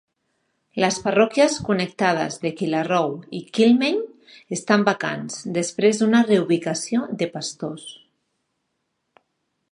Les parròquies connectades de Kilarrow i Kilmeny estan vacants, després d"una reubicació de pastors.